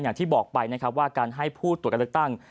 อย่างที่บอกไปนะครับว่าการให้ผู้ตรวจการเลือกตั้ง